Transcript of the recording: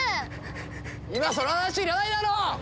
今その話いらないだろ！